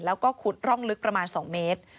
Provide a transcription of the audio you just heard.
แล้วก็ขุดร่องลึกประมาณ๒เมตร